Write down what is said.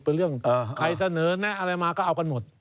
เป็นเรื่องใครเสนอแนะอะไรมาก็เอากันหมด